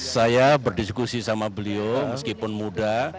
saya berdiskusi sama beliau meskipun muda